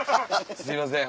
すいません